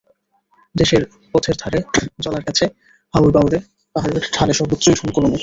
দেশের পথের ধারে, জলার কাছে, হাওর, বাঁওড়ে, পাহাড়ের ঢালে সর্বত্রই ঢোলকলমি।